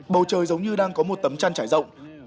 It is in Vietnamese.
bầu trời giống như đang có một tấm chăn trải rộng